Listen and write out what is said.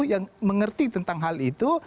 yang mengerti tentang hal itu